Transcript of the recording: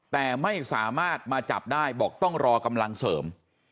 แต่ไม่สามารถมาจับได้บอกต้องรอกำลังเสริม